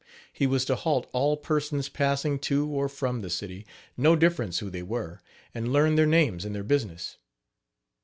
He was to halt all persons passing to or from the city, no difference who they were, and learn their names and their business.